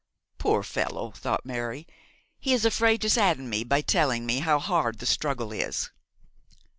'Poor fellow,' thought Mary. 'He is afraid to sadden me by telling me how hard the struggle is.'